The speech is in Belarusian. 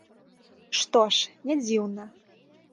Што ж, не дзіўна.